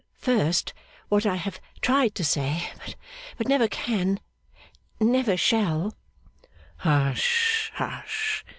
First, what I have tried to say, but never can never shall ' 'Hush, hush!